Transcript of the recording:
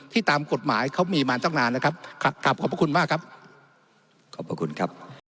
ที่ตามกฎหมายเขามีมาตั้งนานนะครับขอบคุณมากครับขอบคุณครับ